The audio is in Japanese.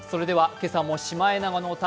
今朝も「シマエナガの歌」